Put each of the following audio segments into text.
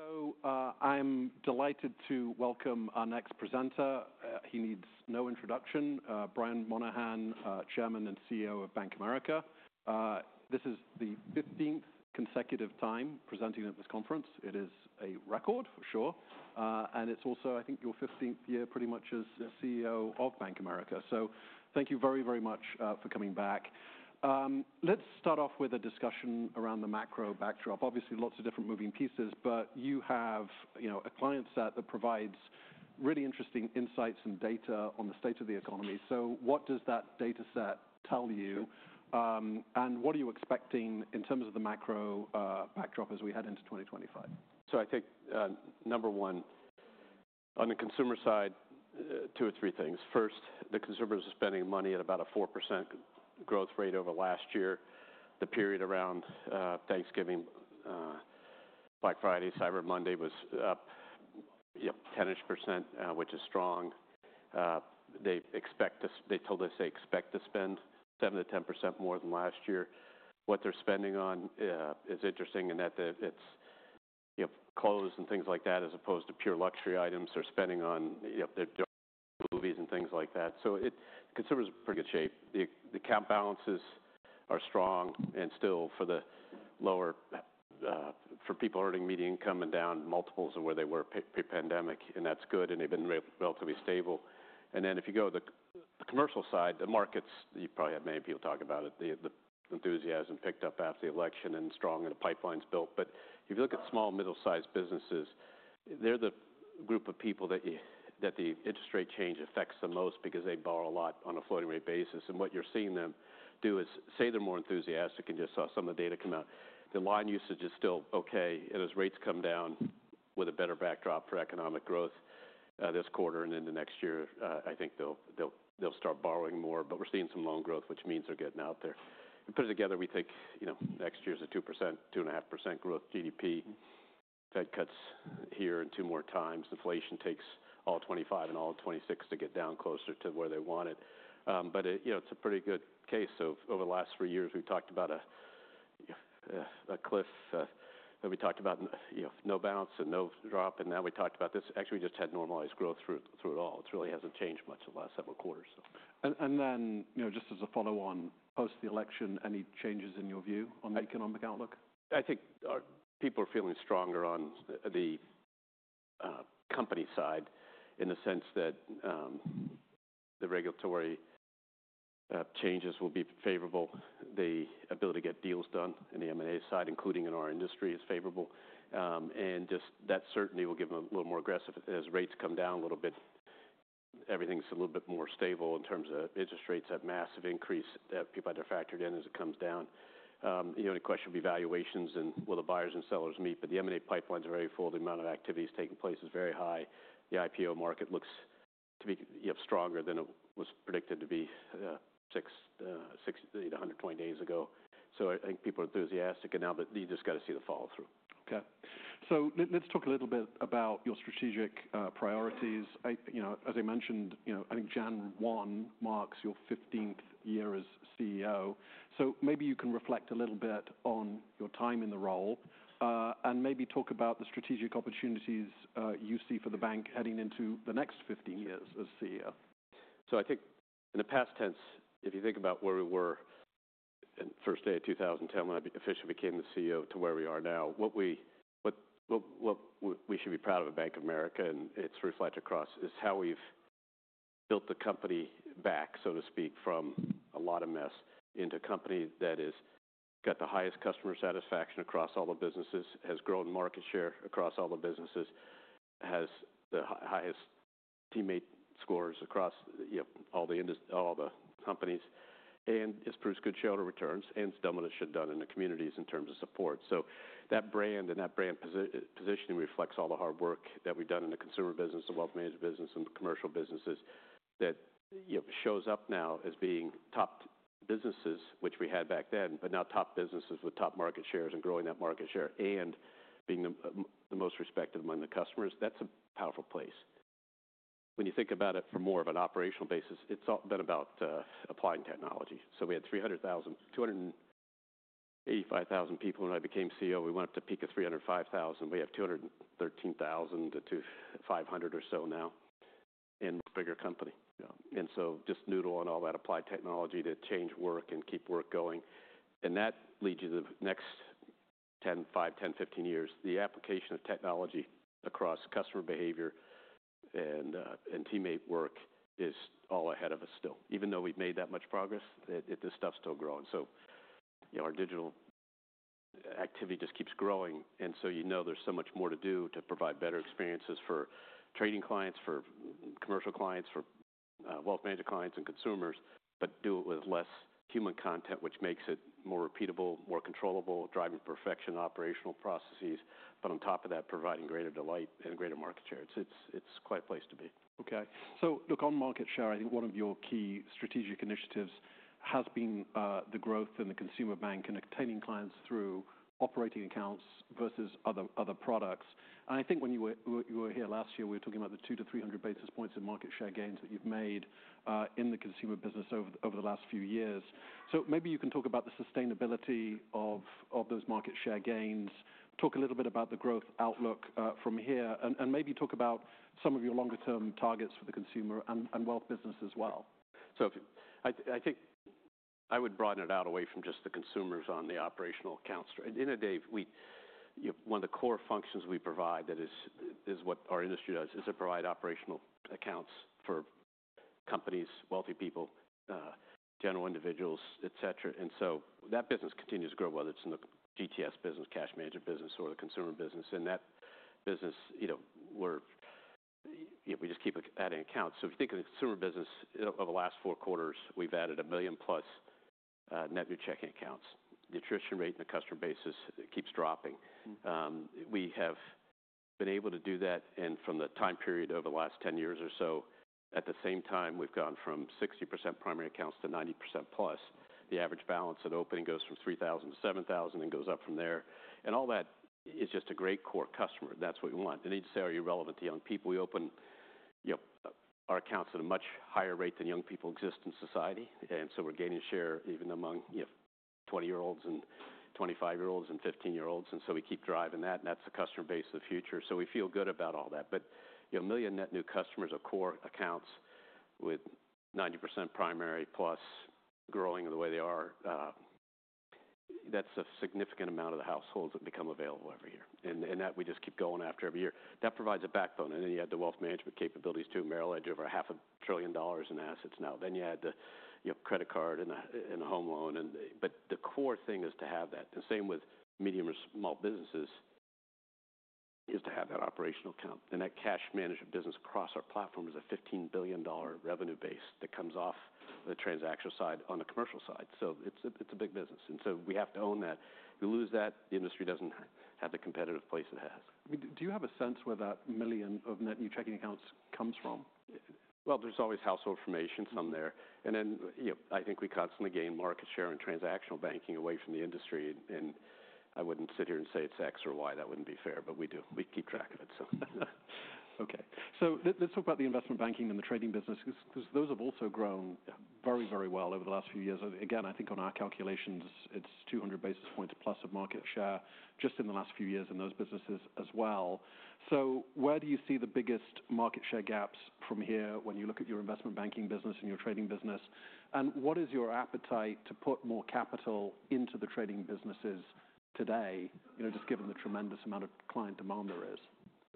Okay, so, I'm delighted to welcome our next presenter. He needs no introduction. Brian Moynihan, Chairman and CEO of Bank of America. This is the 15th consecutive time presenting at this conference. It is a record, for sure, and it's also, I think, your 15th year, pretty much, as CEO of Bank of America. So thank you very, very much for coming back. Let's start off with a discussion around the macro backdrop. Obviously, lots of different moving pieces, but you have, you know, a client set that provides really interesting insights and data on the state of the economy. So what does that data set tell you, and what are you expecting in terms of the macro backdrop as we head into 2025? So I think, number one, on the consumer side, two or three things. First, the consumers are spending money at about a 4% growth rate over last year. The period around Thanksgiving, Black Friday, Cyber Monday was up, you know, 10-ish%, which is strong. They expect to, they told us they expect to spend 7%-10% more than last year. What they're spending on is interesting in that the, it's, you know, clothes and things like that, as opposed to pure luxury items they're spending on, you know, their, their movies and things like that. So it, consumers are in pretty good shape. The, the account balances are strong and still for the lower, for people earning median income and down multiples of where they were pre-pre-pandemic, and that's good, and they've been re-relatively stable. And then if you go to the commercial side, the markets, you probably have many people talk about it, the enthusiasm picked up after the election and strong and the pipelines built. But if you look at small, middle-sized businesses, they're the group of people that the interest rate change affects the most because they borrow a lot on a floating-rate basis. And what you're seeing them do is, say they're more enthusiastic, and you saw some of the data come out, the line usage is still okay. And as rates come down with a better backdrop for economic growth, this quarter and into next year, I think they'll start borrowing more. But we're seeing some loan growth, which means they're getting out there. And put it together, we think, you know, next year's a 2%-2.5% GDP growth. Fed cuts here and two more times. Inflation takes all 2025 and all 2026 to get down closer to where they want it, but it, you know, it's a pretty good case. So over the last three years, we've talked about a cliff that we talked about, you know, no balance and no drop. And now we talked about this; actually, we just had normalized growth through it all. It really hasn't changed much in the last several quarters, so. And then, you know, just as a follow-on, post the election, any changes in your view on the economic outlook? I think our people are feeling stronger on the company side in the sense that the regulatory changes will be favorable. The ability to get deals done in the M&A side, including in our industry, is favorable, and just that certainty will give them a little more aggressive as rates come down a little bit. Everything's a little bit more stable in terms of interest rates have massive increase that people either factored in as it comes down. The only question would be valuations and will the buyers and sellers meet, but the M&A pipelines are very full. The amount of activity is taking place is very high. The IPO market looks to be, you know, stronger than it was predicted to be, six, you know, 120 days ago, so I think people are enthusiastic and now, but you just gotta see the follow-through. Okay. So let's talk a little bit about your strategic priorities. You know, as I mentioned, you know, I think January 1 marks your 15th year as CEO. So maybe you can reflect a little bit on your time in the role, and maybe talk about the strategic opportunities you see for the bank heading into the next 15 years as CEO. I think in the past tense, if you think about where we were in the first day of 2010 when I officially became the CEO to where we are now, what we should be proud of at Bank of America and it's reflected across is how we've built the company back, so to speak, from a lot of mess into a company that has got the highest customer satisfaction across all the businesses, has grown market share across all the businesses, has the highest teammate scores across, you know, all the industries all the companies, and it's produced good shareholder returns and has done what it should have done in the communities in terms of support. So that brand and that brand positioning reflects all the hard work that we've done in the consumer business, the wealth management business, and the commercial businesses that, you know, shows up now as being top businesses, which we had back then, but now top businesses with top market shares and growing that market share and being the most respected among the customers. That's a powerful place. When you think about it from more of an operational basis, it's all been about applied technology. So we had 300,000, 285,000 people when I became CEO. We went up to peak of 305,000. We have 213,000 to 250,000 or so now in a bigger company. Yeah. And so just noodle on all that applied technology to change work and keep work going. And that leads you to the next 10, five, 10, 15 years. The application of technology across customer behavior and teammate work is all ahead of us still. Even though we've made that much progress, it, this stuff's still growing. So, you know, our digital activity just keeps growing. And so you know there's so much more to do to provide better experiences for trading clients, for commercial clients, for wealth management clients and consumers, but do it with less human content, which makes it more repeatable, more controllable. Driving perfection operational processes, but on top of that, providing greater delight and greater market share. It's quite a place to be. Okay. So look, on market share, I think one of your key strategic initiatives has been the growth in the consumer bank and attaining clients through operating accounts versus other products. And I think when you were here last year, we were talking about the two to 300 basis points in market share gains that you've made in the consumer business over the last few years. So maybe you can talk about the sustainability of those market share gains, talk a little bit about the growth outlook from here, and maybe talk about some of your longer-term targets for the consumer and wealth business as well. So I think I would broaden it out away from just the consumers on the operational accounts. In a day, we, you know, one of the core functions we provide that is what our industry does is to provide operational accounts for companies, wealthy people, general individuals, etc. And so that business continues to grow, whether it's in the GTS business, cash management business, or the consumer business. And that business, you know, we're, you know, we just keep adding accounts. So if you think of the consumer business, over the last four quarters, we've added a million-plus net new checking accounts. The attrition rate and the customer basis keeps dropping. We have been able to do that. And from the time period over the last 10 years or so, at the same time, we've gone from 60% primary accounts to 90%+. The average balance at opening goes from 3,000 to 7,000 and goes up from there. And all that is just a great core customer. That's what we want. And need to say, are you relevant to young people? We open, you know, our accounts at a much higher rate than young people exist in society. And so we're gaining share even among, you know, 20-year-olds and 25-year-olds and 15-year-olds. And so we keep driving that. And that's the customer base of the future. So we feel good about all that. But, you know, a million net new customers of core accounts with 90% primary plus growing the way they are, that's a significant amount of the households that become available every year. And, and that we just keep going after every year. That provides a backbone. And then you add the wealth management capabilities too. Merrill Edge over $500 billion in assets now. Then you add the, you know, credit card and a home loan. But the core thing is to have that. And the same with medium or small businesses is to have that operational account. And that cash management business across our platform is a $15 billion revenue base that comes off the transactional side on the commercial side. So it's a big business. And so we have to own that. If we lose that, the industry doesn't have the competitive place it has. I mean, do you have a sense where that million of net new checking accounts comes from? There's always household information some there. And then, you know, I think we constantly gain market share and transactional banking away from the industry. I wouldn't sit here and say it's X or Y. That wouldn't be fair. We do. We keep track of it, so. Okay. Let's talk about the investment banking and the trading business because those have also grown very, very well over the last few years. Again, I think on our calculations, it's 200 basis points plus of market share just in the last few years in those businesses as well. So where do you see the biggest market share gaps from here when you look at your investment banking business and your trading business? And what is your appetite to put more capital into the trading businesses today, you know, just given the tremendous amount of client demand there is?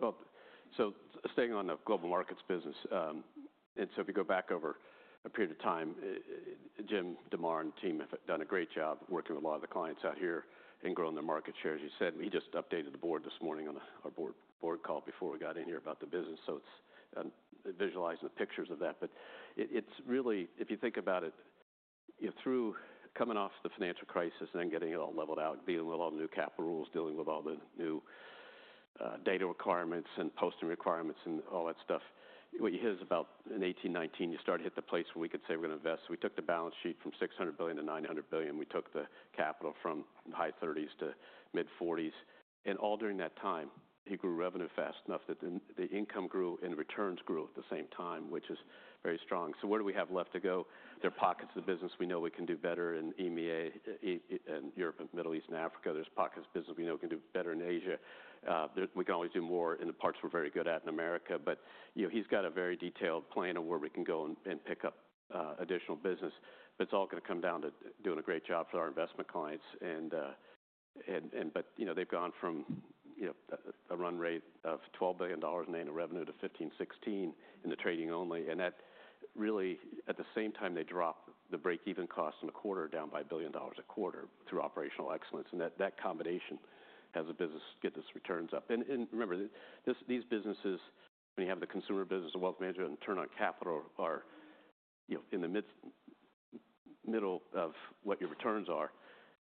Well, so staying on the Global Markets business, and so if you go back over a period of time, Jim DeMare and team have done a great job working with a lot of the clients out here and growing their market shares. You said we just updated the board this morning on our board call before we got in here about the business. So it's visualizing the pictures of that. But it's really, if you think about it, you know, through coming off the financial crisis and then getting it all leveled out, dealing with all the new capital rules, dealing with all the new data requirements and posting requirements and all that stuff, what you hear is about in 2018, 2019, you started to hit the place where we could say we're gonna invest. We took the balance sheet from $600 billion to $900 billion. We took the capital from the high 30s to mid-40s. And all during that time, he grew revenue fast enough that the income grew and returns grew at the same time, which is very strong. So where do we have left to go? There are pockets of the business we know we can do better in EMEA, Europe, Middle East, and Africa. There's pockets of business we know we can do better in Asia. There we can always do more in the parts we're very good at in America. But, you know, he's got a very detailed plan of where we can go and pick up additional business. But it's all gonna come down to doing a great job for our investment clients. But you know, they've gone from, you know, a run rate of $12 billion in annual revenue to 15, 16 in the trading only. And that really, at the same time, they dropped the break-even cost in the quarter down by $1 billion a quarter through operational excellence. And that combination has the business get those returns up. And remember this, these businesses, when you have the consumer business, the wealth management and turn on capital are, you know, in the midst, middle of what your returns are.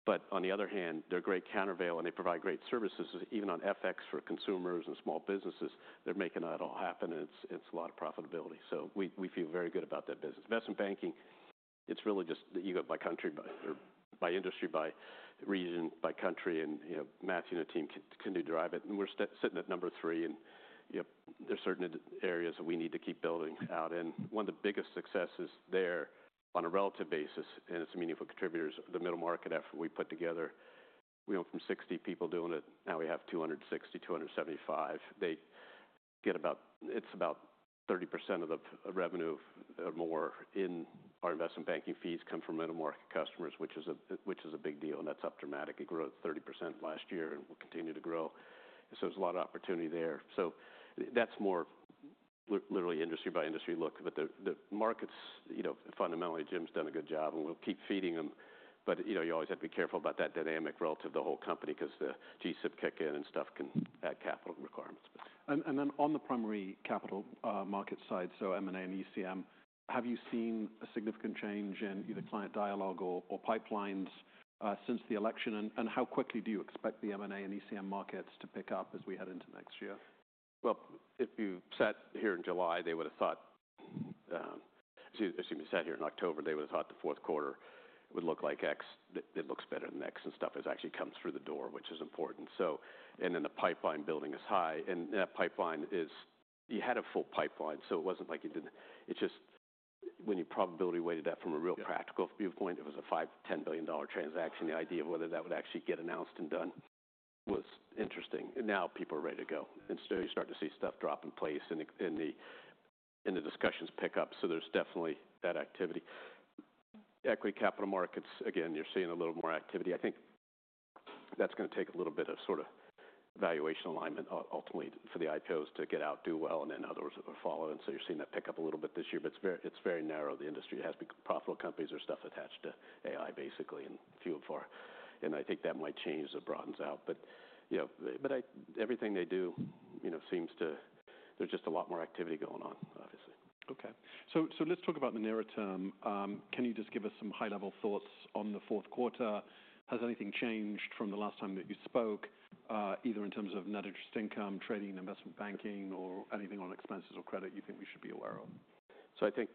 But on the other hand, they're great countervail and they provide great services even on FX for consumers and small businesses. They're making that all happen. And it's a lot of profitability. So we feel very good about that business. Investment banking, it's really just that you go by country or by industry, by region, by country. And, you know, Matthew and the team can drive it. And we're sitting at number three. And, you know, there's certain areas that we need to keep building out. And one of the biggest successes there on a relative basis, and it's a meaningful contributor, the middle market effort we put together, we went from 60 people doing it. Now we have 260-275. They get about, it's about 30% of the revenue or more in our investment banking fees come from middle market customers, which is a big deal. And that's up dramatically. Growth 30% last year and will continue to grow. So there's a lot of opportunity there. So that's more literally industry by industry look. But the markets, you know, fundamentally, Jim's done a good job and we'll keep feeding them. But, you know, you always have to be careful about that dynamic relative to the whole company because the G-SIB kick in and stuff can add capital requirements. Then on the primary capital market side, so M&A and ECM, have you seen a significant change in either client dialogue or pipelines, since the election? How quickly do you expect the M&A and ECM markets to pick up as we head into next year? If you sat here in July, they would've thought; assume you sat here in October, they would've thought the fourth quarter would look like X. That looks better than X and stuff has actually come through the door, which is important, so and then the pipeline building is high. And that pipeline is; you had a full pipeline. So it wasn't like you didn't; it just, when you probability weighted that from a real practical viewpoint, it was a $5 billion-$10 billion transaction. The idea of whether that would actually get announced and done was interesting. And now people are ready to go, and so you start to see stuff drop in place and the discussions pick up. So there's definitely that activity. Equity capital markets; again, you're seeing a little more activity. I think that's gonna take a little bit of sort of valuation alignment ultimately for the IPOs to get out, do well, and then others will follow. And so you're seeing that pick up a little bit this year. But it's very, it's very narrow. The industry has to be profitable. Companies are stuff attached to AI basically and fueled for. And I think that might change as it broadens out. But, you know, but I, everything they do, you know, seems to, there's just a lot more activity going on, obviously. Okay. So, so let's talk about the nearer term. Can you just give us some high-level thoughts on the fourth quarter? Has anything changed from the last time that you spoke, either in terms of net interest income, trading, investment banking, or anything on expenses or credit you think we should be aware of? So I think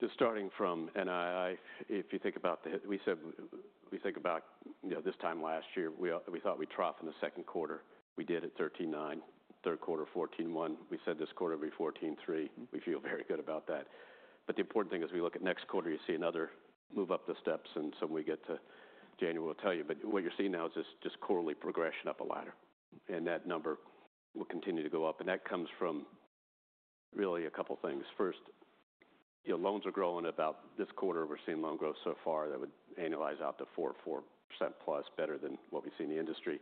just starting from NII, if you think about the, we said, we think about, you know, this time last year, we thought we'd trough in the second quarter. We did at 13.9. Third quarter, 14.1. We said this quarter it'd be 14.3. We feel very good about that. But the important thing is we look at next quarter, you see another move up the steps. And so when we get to January, we'll tell you. But what you're seeing now is just quarterly progression up a ladder. And that number will continue to go up. And that comes from really a couple things. First, you know, loans are growing about this quarter. We're seeing loan growth so far that would annualize out to 4%+ better than what we see in the industry.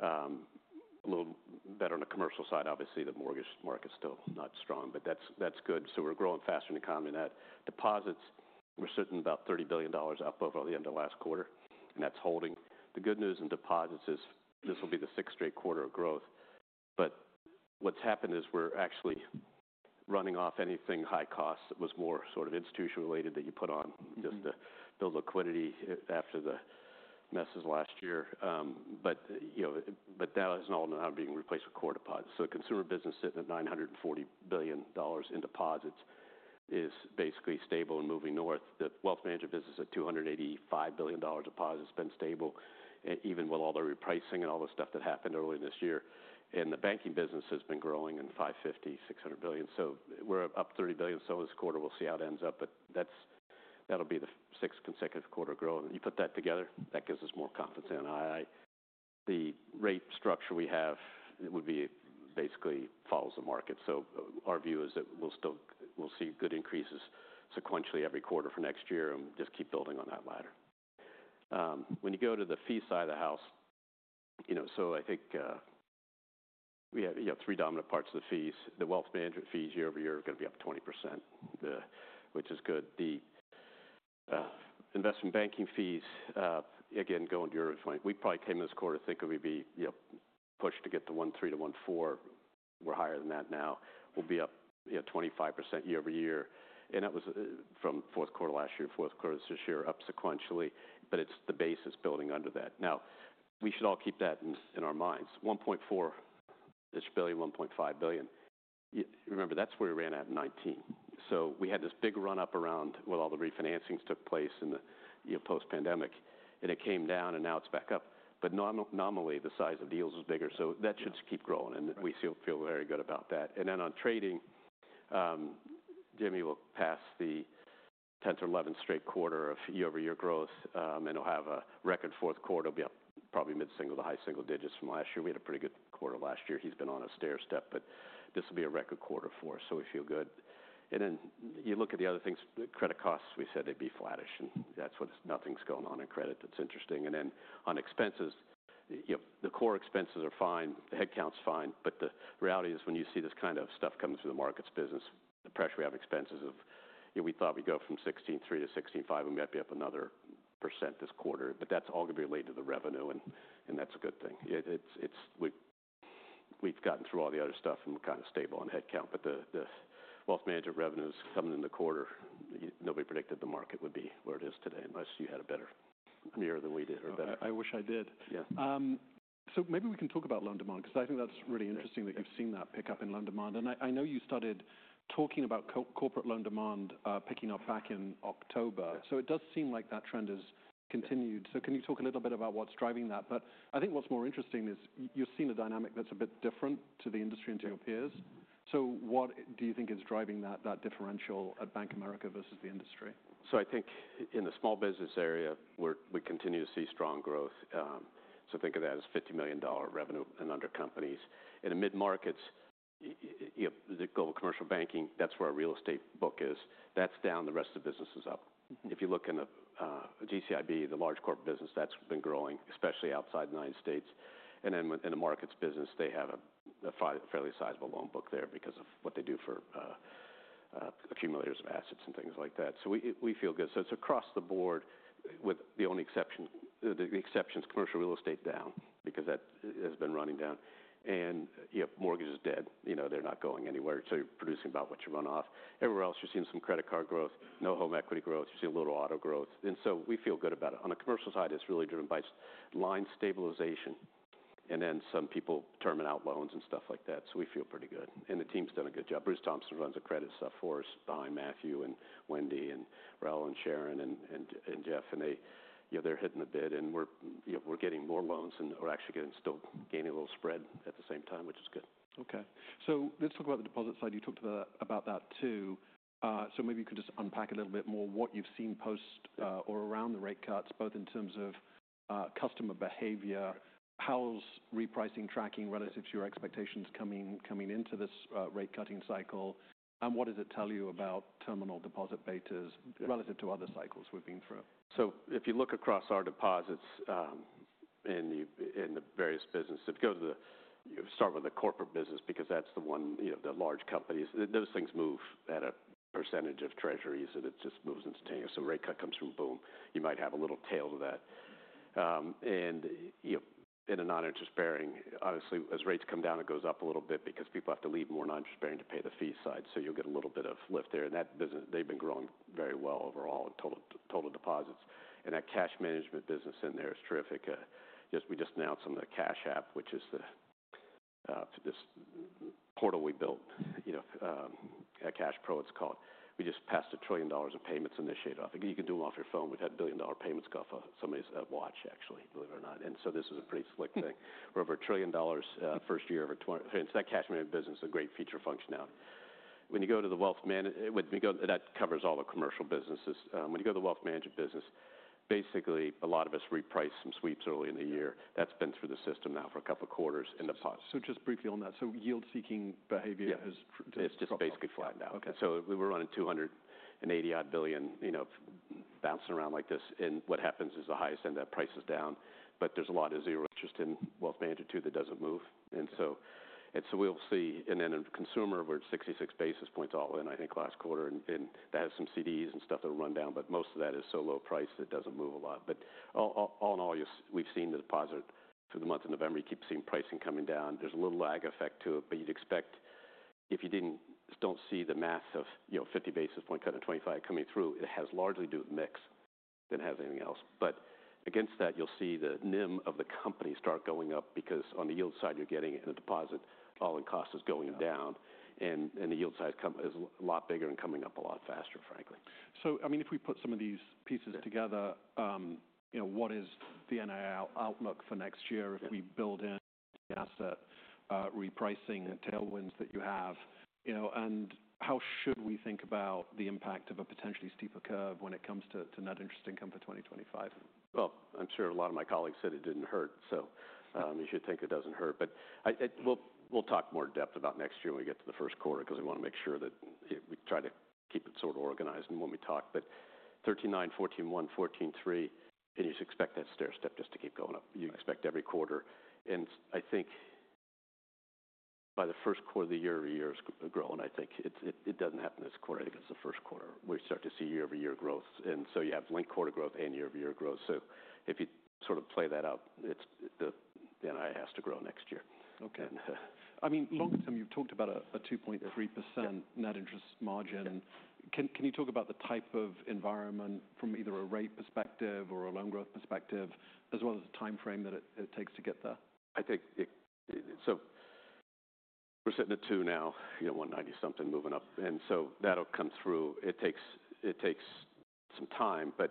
A little better on the commercial side, obviously the mortgage market's still not strong, but that's good. So we're growing faster in the economy than that. Deposits, we're sitting about $30 billion up over the end of last quarter. And that's holding. The good news in deposits is this will be the sixth straight quarter of growth. But what's happened is we're actually running off anything high cost that was more sort of institutional related that you put on just to build liquidity after the messes last year. But you know, that is all now being replaced with core deposits. So the consumer business sitting at $940 billion in deposits is basically stable and moving north. The wealth management business at $285 billion deposits has been stable even with all the repricing and all the stuff that happened early this year. The banking business has been growing in $550 billion-$600 billion. So we're up $30 billion. So this quarter we'll see how it ends up. But that's, that'll be the sixth consecutive quarter of growth. You put that together, that gives us more confidence in NII. The rate structure we have would be basically follows the market. So our view is that we'll still, we'll see good increases sequentially every quarter for next year and just keep building on that ladder. When you go to the fee side of the house, you know, so I think, we have, you know, three dominant parts of the fees. The wealth management fees year-over-year are gonna be up 20%, which is good. The, investment banking fees, again, going to your point, we probably came in this quarter thinking we'd be, you know, pushed to get to $1.3-$1.4. We're higher than that now. We'll be up, you know, 25% year-over-year. And that was from fourth quarter last year, fourth quarter this year, up sequentially. But it's the basis building under that. Now, we should all keep that in our minds. $1.4 billion, $1.5 billion. You remember that's where we ran at in 2019. So we had this big run-up around with all the refinancings took place in the, you know, post-pandemic. And it came down and now it's back up. But normally the size of deals is bigger. So that should keep growing. And we feel very good about that. And then on trading, Jimmy will pass the 10th or 11th straight quarter of year-over-year growth, and it'll have a record fourth quarter. It'll be up probably mid-single- to high single-digit percentage from last year. We had a pretty good quarter last year. He's been on a stair step, but this will be a record quarter for us. So we feel good. And then you look at the other things, credit costs, we said they'd be flattish. And that's what's nothing's going on in credit that's interesting. And then on expenses, you know, the core expenses are fine. The headcount's fine. But the reality is when you see this kind of stuff comes through the markets business, the pressure we have expenses of, you know, we thought we'd go from 16.3% to 16.5% and we might be up another % this quarter. But that's all gonna be related to the revenue. And that's a good thing. It's we've gotten through all the other stuff and we're kind of stable on headcount. But the wealth management revenues coming in the quarter, nobody predicted the market would be where it is today unless you had a better mirror than we did or better. I wish I did. Yeah. So maybe we can talk about loan demand because I think that's really interesting that you've seen that pick up in loan demand. And I, I know you started talking about corporate loan demand, picking up back in October. So it does seem like that trend has continued. So can you talk a little bit about what's driving that? But I think what's more interesting is you've seen a dynamic that's a bit different to the industry and to your peers. So what do you think is driving that, that differential at Bank of America versus the industry? So I think in the small business area, we're we continue to see strong growth. So think of that as $50 million revenue in under companies. And in mid-markets, you know, the global commercial banking, that's where our real estate book is. That's down. The rest of the business is up. If you look in the GCIB, the large corporate business, that's been growing, especially outside the United States. And then in the markets business, they have a fairly sizable loan book there because of what they do for accumulators of assets and things like that. So we feel good. So it's across the board with the only exception, the exceptions, commercial real estate down because that has been running down. And, you know, mortgage is dead. You know, they're not going anywhere. So you're producing about what you run off. Everywhere else you're seeing some credit card growth, no home equity growth. You're seeing a little auto growth. And so we feel good about it. On the commercial side, it's really driven by line stabilization. And then some people terminate out loans and stuff like that. So we feel pretty good. And the team's done a good job. Bruce Thompson runs the credit stuff for us behind Matthew and Wendy and Raoul and Sharon and Jeff. And they, you know, they're hitting the bid. And we're, you know, we're getting more loans and we're actually still gaining a little spread at the same time, which is good. Okay. So let's talk about the deposit side. You talked about that too. So maybe you could just unpack a little bit more what you've seen post, or around the rate cuts, both in terms of, customer behavior, how's repricing tracking relative to your expectations coming into this, rate cutting cycle? And what does it tell you about terminal deposit betas relative to other cycles we've been through? So if you look across our deposits, in the various business, if you go to the, you start with the corporate business because that's the one, you know, the large companies, those things move at a percentage of treasuries and it just moves instantaneous. So rate cut comes, boom. You might have a little tail to that. And, you know, in a non-interest bearing, obviously as rates come down, it goes up a little bit because people have to leave more non-interest bearing to pay the fee side. So you'll get a little bit of lift there. And that business, they've been growing very well overall in total deposits. And that cash management business in there is terrific. We just announced on the CashPro, which is this portal we built, you know, CashPro it's called. We just passed $1 trillion in payments initiated. I think you can do them off your phone. We've had $1 billion payments go off of somebody's watch, actually, believe it or not. And so this is a pretty slick thing. We're over $1 trillion, first year over 20. That cash management business is a great feature function now. When you go to the wealth management, when we go to that covers all the commercial businesses. When you go to the wealth management business, basically a lot of us reprice some sweeps early in the year. That's been through the system now for a couple quarters in the past. So just briefly on that. So yield-seeking behavior has just. It's just basically flattened out. Okay. We were running $280 billion-odd, you know, bouncing around like this. And what happens is the highest end that price is down. But there's a lot of zero interest in wealth management too that doesn't move. And so we'll see. And then in consumer, we're at 66 basis points all in, I think, last quarter. And that has some CDs and stuff that will run down. But most of that is so low priced that it doesn't move a lot. But all in all, you'll see. We've seen the deposit for the month of November. You keep seeing pricing coming down. There's a little lag effect to it, but you'd expect if you didn't don't see the mass of, you know, 50 basis point cut and 25 coming through. It has largely to do with mix than it has anything else. But against that, you'll see the NIM of the company start going up because on the yield side, you're getting an increase, a deposit all-in cost is going down. And the yield side increase is a lot bigger and coming up a lot faster, frankly. I mean, if we put some of these pieces together, you know, what is the NII outlook for next year if we build in the asset repricing and tailwinds that you have, you know, and how should we think about the impact of a potentially steeper curve when it comes to net interest income for 2025? I'm sure a lot of my colleagues said it didn't hurt. You should think it doesn't hurt. But I, we'll talk more in depth about next year when we get to the first quarter because we want to make sure that we try to keep it sort of organized and when we talk. But 13.9, 14.1, 14.3, and you just expect that stair step just to keep going up. You expect every quarter. And I think by the first quarter of the year, every year is growing. I think it's, it doesn't happen this quarter. I think it's the first quarter we start to see year-over-year growth. And so you have link quarter growth and year-over-year growth. So if you sort of play that out, it's the NII has to grow next year. Okay. I mean, long term, you've talked about a 2.3% net interest margin. Can you talk about the type of environment from either a rate perspective or a loan growth perspective as well as the timeframe that it takes to get there? I think, so we're sitting at two now, you know, 190 something moving up. And so that'll come through. It takes some time. But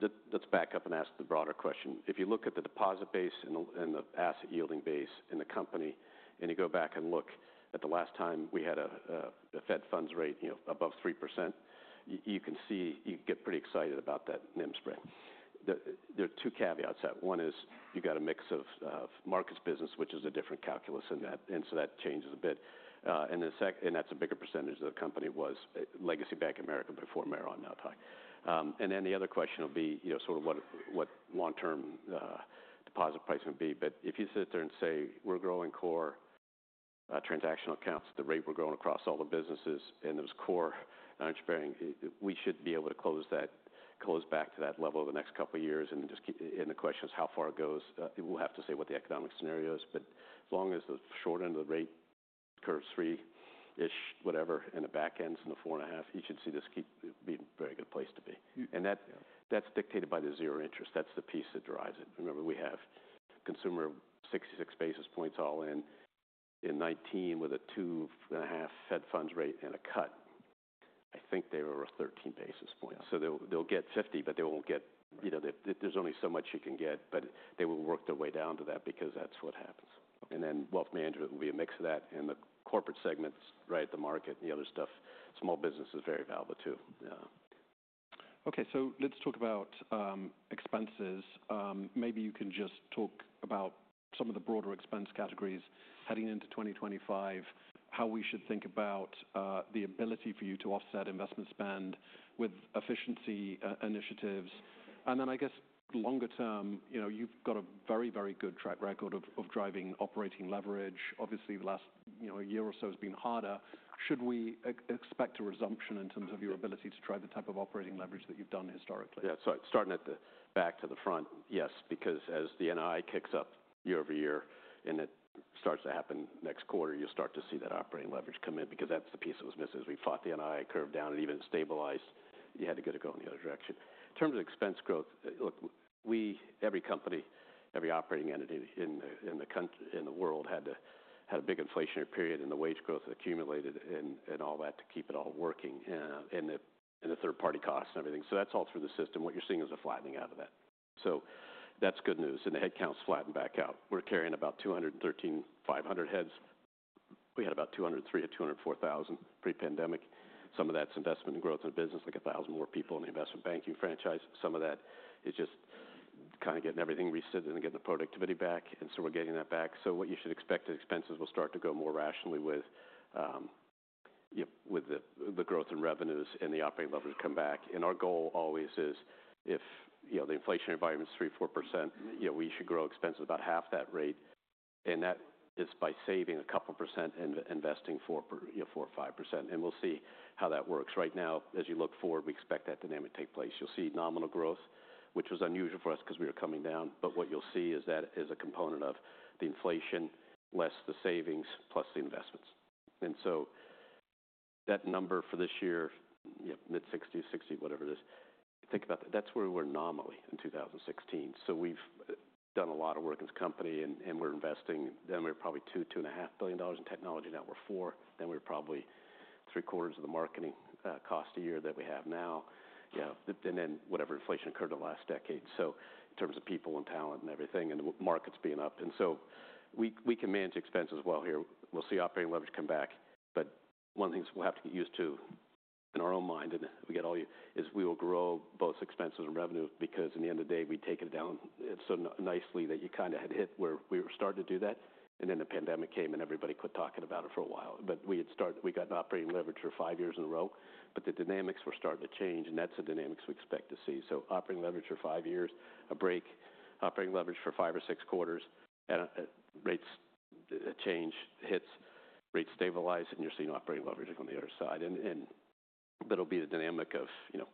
let's back up and ask the broader question. If you look at the deposit base and the asset yielding base in the company, and you go back and look at the last time we had a Fed funds rate, you know, above 3%, you can see you get pretty excited about that NIM spread. There are two caveats. That one is you got a mix of markets business, which is a different calculus in that. And so that changes a bit. And then second, and that's a bigger percentage of the company was Legacy Bank of America before Merrill now, tied. And then the other question will be, you know, sort of what, what long-term deposit pricing would be. But if you sit there and say we're growing core transactional accounts, the rate we're growing across all the businesses, and there's core non-interest-bearing, we should be able to close that, close back to that level of the next couple of years. And just keep, and the question is how far it goes. We'll have to say what the economic scenario is. But as long as the short end of the rate curve three-ish, whatever, and the back ends in the four and a half, you should see this keep being a very good place to be. And that, that's dictated by the zero interest. That's the piece that drives it. Remember, we have consumer 66 basis points all in, in 2019 with a two and a half Fed funds rate and a cut. I think they were 13 basis points. So they'll get 50, but they won't get, you know, there's only so much you can get. But they will work their way down to that because that's what happens. And then wealth management will be a mix of that and the corporate segments, right? The market and the other stuff. Small business is very valuable too. Yeah. Okay. So let's talk about expenses. Maybe you can just talk about some of the broader expense categories heading into 2025, how we should think about the ability for you to offset investment spend with efficiency initiatives. And then I guess longer term, you know, you've got a very, very good track record of driving operating leverage. Obviously, the last year or so has been harder. Should we expect a resumption in terms of your ability to drive the type of operating leverage that you've done historically? Yeah. So starting at the back to the front, yes. Because as the NII kicks up year-over-year and it starts to happen next quarter, you'll start to see that operating leverage come in. Because that's the piece that was missed as we fought the NII curve down and even stabilized, you had to go in the other direction. In terms of expense growth, look, we, every company, every operating entity in the, in the country, in the world had to have a big inflationary period and the wage growth accumulated and, and all that to keep it all working and the, and the third party costs and everything. So that's all through the system. What you're seeing is a flattening out of that. So that's good news. The headcount's flattened back out. We're carrying about 213,500 heads. We had about 203,000-204,000 pre-pandemic. Some of that's investment and growth in business, like a thousand more people in the investment banking franchise. Some of that is just kind of getting everything reset and getting the productivity back. And so we're getting that back. So what you should expect is expenses will start to go more rationally with, you know, with the growth in revenues and the operating levers come back. And our goal always is if, you know, the inflationary environment's 3%-4%, you know, we should grow expenses about half that rate. And that is by saving a couple % and investing 4% or 5%. And we'll see how that works. Right now, as you look forward, we expect that dynamic to take place. You'll see nominal growth, which was unusual for us because we were coming down. But what you'll see is that is a component of the inflation, less the savings, plus the investments. And so that number for this year, you know, mid-60s, 60, whatever it is. Think about that. That's where we were nominal in 2016. So we've done a lot of work as a company and, and we're investing. Then we were probably $2 billion-$2.5 billion in technology network four. Then we were probably three quarters of the marketing cost a year that we have now. You know, and then whatever inflation occurred in the last decade. So in terms of people and talent and everything and the markets being up. And so we, we can manage expenses well here. We'll see operating leverage come back. But one of the things we'll have to get used to in our own mind, and what we'll get to is we will grow both expenses and revenue because in the end of the day, we take it down so nicely that you kind of have it where we were starting to do that. And then the pandemic came and everybody quit talking about it for a while. But we had started, we got an operating leverage for five years in a row. But the dynamics were starting to change and that's the dynamics we expect to see. So operating leverage for five years, a break, operating leverage for five or six quarters. And rates change, and rates stabilize and you're seeing operating leverage on the other side. And, and that'll be the dynamic of, you know,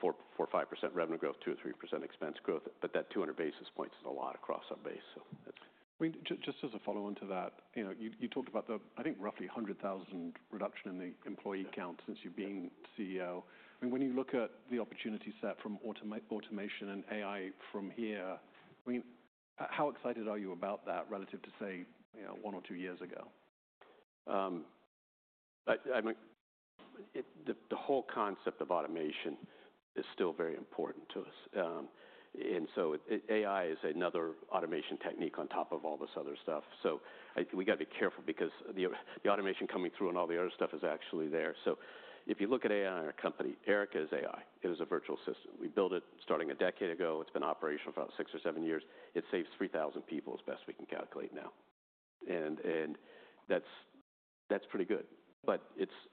four, four, 5% revenue growth, two or 3% expense growth. But that 200 basis points is a lot across our base. So that's. I mean, just as a follow-on to that, you know, you talked about the, I think roughly 100,000 reduction in the employee count since you've been CEO. I mean, when you look at the opportunity set from automation and AI from here, I mean, how excited are you about that relative to say, you know, one or two years ago? I mean, the whole concept of automation is still very important to us. And so AI is another automation technique on top of all this other stuff. So we gotta be careful because the automation coming through and all the other stuff is actually there. So if you look at AI in our company, Erica is AI. It is a virtual system. We built it starting a decade ago. It's been operational for about six or seven years. It saves 3,000 people as best we can calculate now. And that's pretty good. But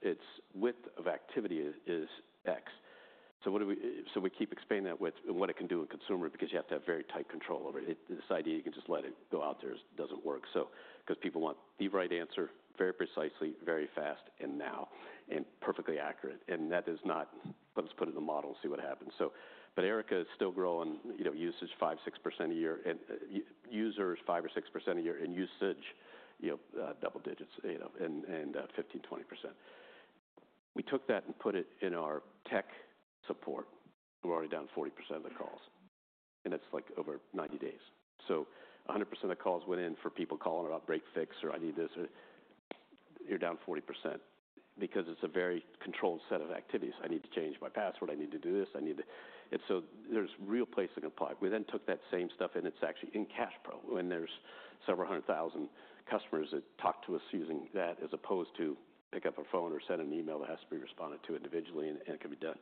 its width of activity is X. So we keep explaining that with what it can do in consumer because you have to have very tight control over it. This idea you can just let it go out there doesn't work. So, 'cause people want the right answer very precisely, very fast, and now, and perfectly accurate. And that is not, let's put it in the model and see what happens. But Erica is still growing, you know, usage 5%-6% a year and users five or 6% a year and usage, you know, double digits, you know, and 15-20%. We took that and put it in our tech support. We're already down 40% of the calls and it's like over 90 days. So 100% of the calls went in for people calling about break fix or I need this. You're down 40% because it's a very controlled set of activities. I need to change my password. I need to do this. I need to, and so there's real places that can apply. We then took that same stuff and it's actually in CashPro when there's several hundred thousand customers that talk to us using that as opposed to pick up a phone or send an email that has to be responded to individually and it can be done.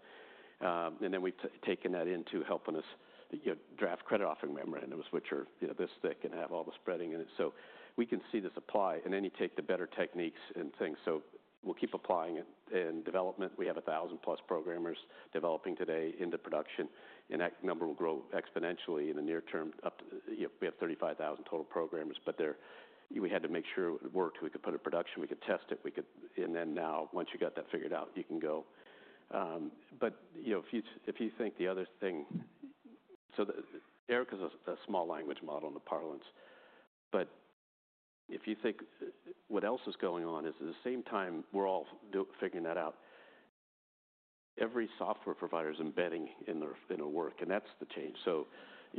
And then we've taken that into helping us, you know, draft credit offering memorandums, which are, you know, this thick and have all the spreading in it. So we can see this apply and then you take the better techniques and things. So we'll keep applying it and development. We have a thousand plus programmers developing today into production. And that number will grow exponentially in the near term up to, you know, we have 35,000 total programmers, but they're, we had to make sure it worked. We could put it in production, we could test it, we could, and then now once you got that figured out, you can go. But you know, if you think the other thing, so Erica's a small language model in the parlance. But if you think what else is going on is at the same time we're all figuring that out, every software provider is embedding in their work. And that's the change. So, you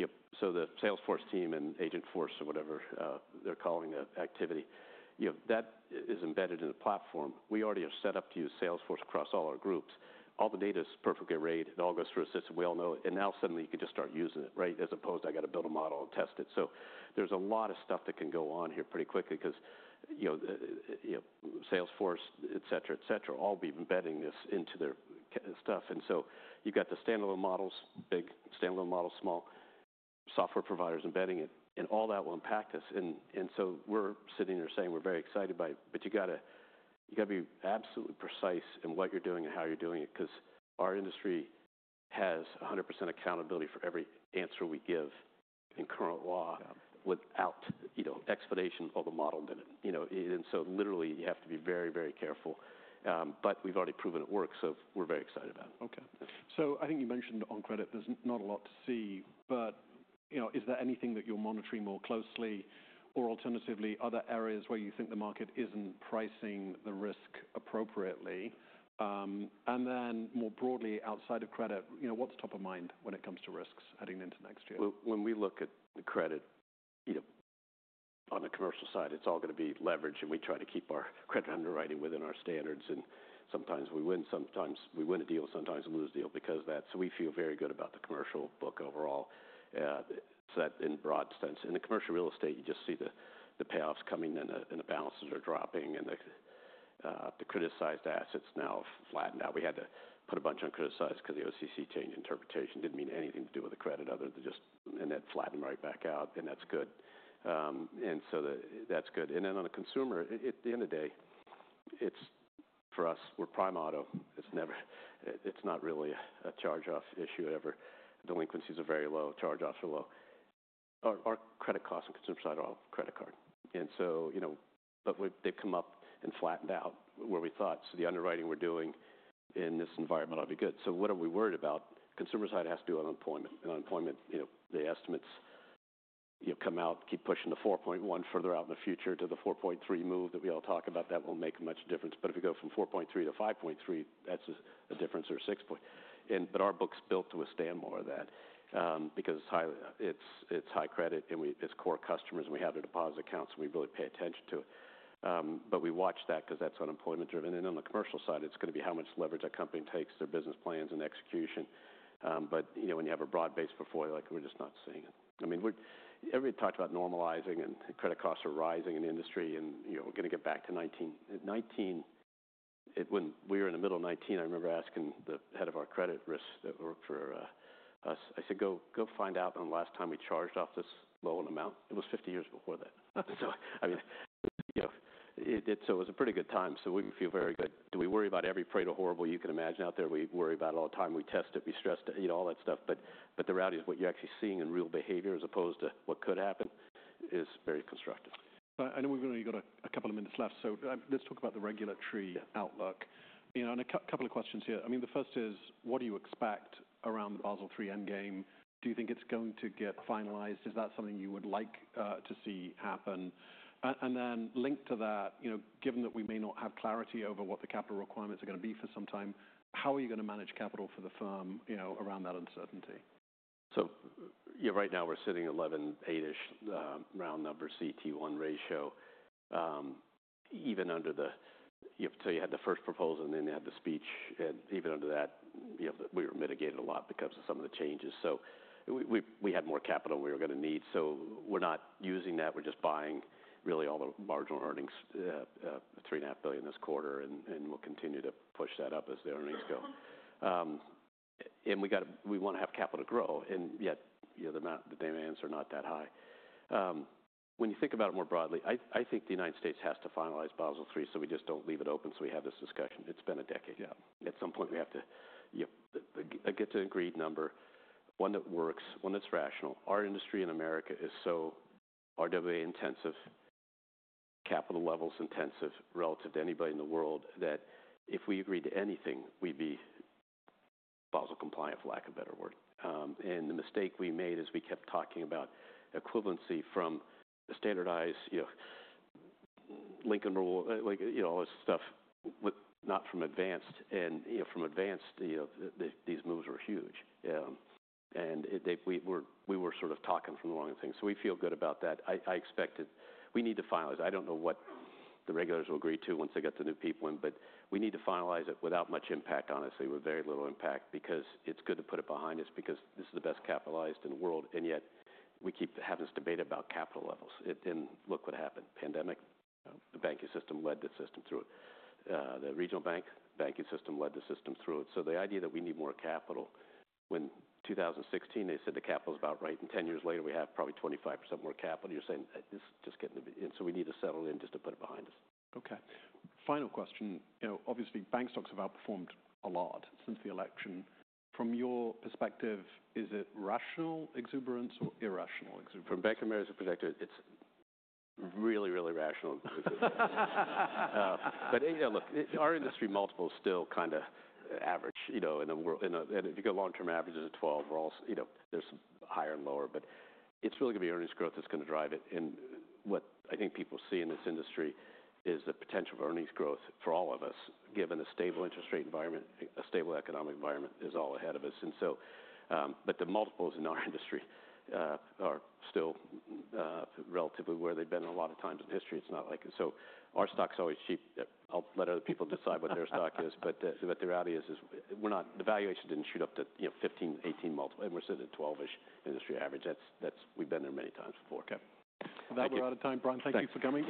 know, so the Salesforce team and Agentforce or whatever they're calling the activity, you know, that is embedded in the platform. We already are set up to use Salesforce across all our groups. All the data is perfectly arrayed. It all goes through a system. We all know it. And now suddenly you can just start using it, right? As opposed to I gotta build a model and test it. So there's a lot of stuff that can go on here pretty quickly 'cause, you know, you know, Salesforce, et cetera, et cetera, all be embedding this into their stuff. And so you've got the standalone models, big standalone models, small software providers embedding it, and all that will impact us. And, and so we're sitting here saying we're very excited by it, but you gotta, you gotta be absolutely precise in what you're doing and how you're doing it. 'Cause our industry has 100% accountability for every answer we give in current law without, you know, explanation of the model in it. You know, and so literally you have to be very, very careful. But we've already proven it works. So we're very excited about it. Okay. So I think you mentioned on credit, there's not a lot to see, but you know, is there anything that you're monitoring more closely or alternatively other areas where you think the market isn't pricing the risk appropriately? And then more broadly outside of credit, you know, what's top of mind when it comes to risks heading into next year? When we look at the credit, you know, on the commercial side, it's all gonna be leverage and we try to keep our credit underwriting within our standards. Sometimes we win, sometimes we win a deal, sometimes we lose a deal because of that. We feel very good about the commercial book overall. In a broad sense in the commercial real estate, you just see the payoffs coming and the balances are dropping and the criticized assets now flattened out. We had to put a bunch on criticized 'cause the OCC change interpretation didn't mean anything to do with the credit other than just, and that flattened right back out. That's good. That's good. Then on a consumer, at the end of the day, it's for us, we're prime auto. It's never; it's not really a charge-off issue ever. Delinquencies are very low. Charge-offs are low. Our credit costs and consumer side are all credit card. And so, you know, but they've come up and flattened out where we thought. So the underwriting we're doing in this environment ought to be good. So what are we worried about? Consumer side has to do with unemployment. And unemployment, you know, the estimates, you know, come out, keep pushing the 4.1% further out in the future to the 4.3% move that we all talk about that won't make much difference. But if we go from 4.3% to 5.3%, that's a difference or six point. But our book's built to withstand more of that, because it's high credit and it's core customers and we have deposit accounts and we really pay attention to it. But we watch that 'cause that's unemployment driven. And on the commercial side, it's gonna be how much leverage a company takes, their business plans and execution. But you know, when you have a broad base before, like we're just not seeing it. I mean, everybody talked about normalizing and credit costs are rising in the industry and, you know, we're gonna get back to 2019. When we were in the middle of 2019, I remember asking the head of our credit risk that worked for us, I said, go find out what the last time we charged off this low an amount. It was 50 years before that. So, I mean, you know, it was a pretty good time. So we feel very good. Do we worry about every credible horror you can imagine out there? We worry about it all the time. We test it, we stressed it, you know, all that stuff. But, but the reality is what you're actually seeing in real behavior as opposed to what could happen is very constructive. So I know we've only got a couple of minutes left. So let's talk about the regulatory outlook, you know, and a couple of questions here. I mean, the first is, what do you expect around the Basel III Endgame? Do you think it's going to get finalized? Is that something you would like to see happen? And then linked to that, you know, given that we may not have clarity over what the capital requirements are gonna be for some time, how are you gonna manage capital for the firm, you know, around that uncertainty? So, you know, right now we're sitting at 11.8-ish, round number CET1 ratio. Even under the, you know, so you had the first proposal and then you had the speech and even under that, you know, we were mitigated a lot because of some of the changes. So we had more capital we were gonna need. So we're not using that. We're just buying really all the marginal earnings, $3.5 billion this quarter. We'll continue to push that up as the earnings go. We gotta, we wanna have capital to grow, and yet, you know, the amount, the demands are not that high. When you think about it more broadly, I think the United States has to finalize Basel III so we just don't leave it open. So we have this discussion. It's been a decade. Yeah. At some point we have to, you know, get to an agreed number, one that works, one that's rational. Our industry in America is so RWA intensive, capital levels intensive relative to anybody in the world that if we agreed to anything, we'd be Basel compliant, for lack of a better word, and the mistake we made is we kept talking about equivalency from standardized, you know, Lincoln rule, like, you know, all this stuff with not from advanced, and you know, from advanced, you know, these moves were huge, and then we were, we were sort of talking from the wrong thing, so we feel good about that. I expected we need to finalize. I don't know what the regulators will agree to once they get the new people in, but we need to finalize it without much impact, honestly, with very little impact because it's good to put it behind us because this is the best capitalized in the world, and yet we keep having this debate about capital levels, and look what happened. Pandemic. The banking system led the system through it. The regional banking system led the system through it. So the idea that we need more capital when 2016, they said the capital's about right. And 10 years later we have probably 25% more capital. You're saying this is just getting the, and so we need to settle in just to put it behind us. Okay. Final question. You know, obviously bank stocks have outperformed a lot since the election. From your perspective, is it rational exuberance or irrational exuberance? From Bank of America's perspective, it's really, really rational exuberance, but you know, look, our industry multiple is still kind of average, you know, in the world. And if you go to long-term averages at 12, we're all, you know, there's higher and lower, but it's really gonna be earnings growth that's gonna drive it. And what I think people see in this industry is the potential for earnings growth for all of us, given a stable interest rate environment, a stable economic environment all ahead of us, but the multiples in our industry are still relatively where they've been a lot of times in history. It's not like, so our stock's always cheap. I'll let other people decide what their stock is. But the reality is, we're not, the valuation didn't shoot up to, you know, 15, 18 multiple, and we're sitting at 12-ish industry average. That's, we've been there many times before. Okay. That'll be a lot of time, Brian. Thank you for coming.